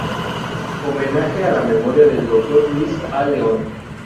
Homenaje a la Memoria del Doctor Luis A. León.